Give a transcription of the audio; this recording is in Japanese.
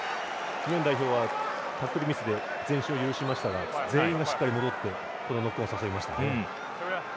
日本代表はミスで前進を許しましたが全員がしっかり戻ってノックオンを誘いましたね。